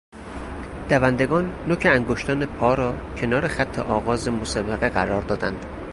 دوندگان نوک انگشتان پا را کنار خط آغاز مسابقه قرار دادند.